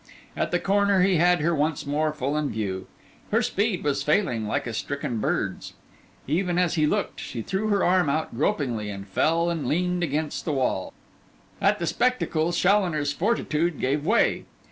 At the corner he had her once more full in view. Her speed was failing like a stricken bird's. Even as he looked, she threw her arm out gropingly, and fell and leaned against the wall. At the spectacle, Challoner's fortitude gave way.